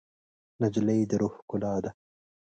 نجلۍ د روح ښکلا ده.